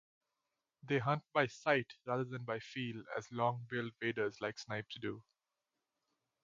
They hunt by sight, rather than by feel as longer-billed waders like snipes do.